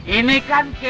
ini kan kelompok